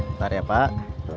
ntar ya pak